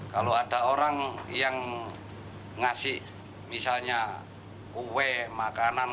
kalau ada orang yang ngasih misalnya kue makanan